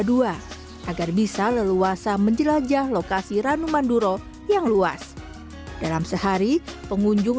dua agar bisa leluasa menjelajah lokasi ranu manduro yang luas dalam sehari pengunjung